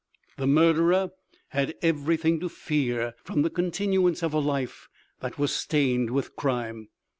The murderer had everything to fear from the continuance of a life that was stained with crime.